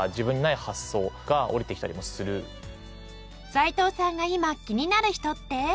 斉藤さんが今気になる人って？